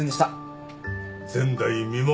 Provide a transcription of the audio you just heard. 前代未聞。